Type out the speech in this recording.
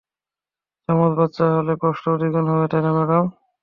জমজ বাচ্চা হলে, কষ্টও দ্বিগুণ হবে, তাইনা ম্যাডাম?